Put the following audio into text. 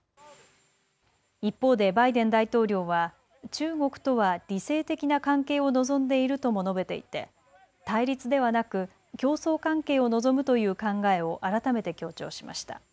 一方でバイデン大統領は中国とは理性的な関係を望んでいるとも述べていて対立ではなく競争関係を望むという考えを改めて強調しました。